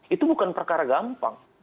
itu bukan perkara gampang